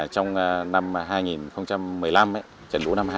trong năm hai nghìn một mươi năm trận lũ lịch sử năm hai nghìn một mươi năm